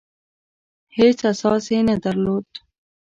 هېڅ اساس یې نه درلود.